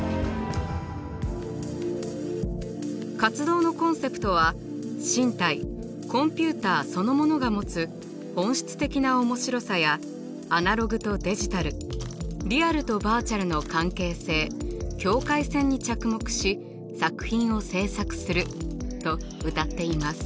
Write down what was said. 活動のコンセプトは「身体コンピューターそのものが持つ本質的な面白さやアナログとデジタルリアルとバーチャルの関係性境界線に着目し作品を制作する」とうたっています。